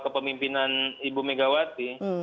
kepemimpinan ibu megawati